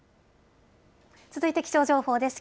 続いて気象情報です。